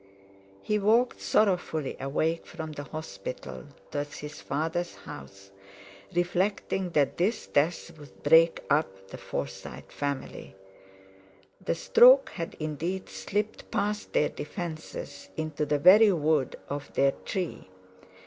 He walked sorrowfully away from the hospital towards his father's house, reflecting that this death would break up the Forsyte family. The stroke had indeed slipped past their defences into the very wood of their tree.